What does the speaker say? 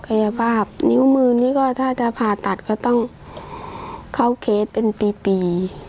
กายภาพนิ้วมือนี่ก็ถ้าจะผ่าตัดก็ต้องเข้าเคสเป็นปี